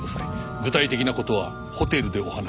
「具体的な事はホテルでお話しします」